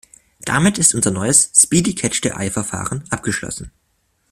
Damit ist unser neues "Speedy catch-the-eye-Verfahren" abgeschlossen.